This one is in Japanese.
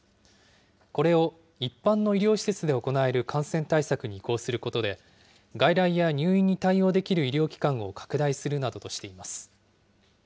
これを、一般の医療施設で行える感染対策に移行することで、外来や入院に対応できる医療機関を拡大するなどとしています。